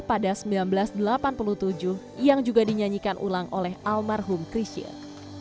pada seribu sembilan ratus delapan puluh tujuh yang juga dinyanyikan ulang oleh almarhum christian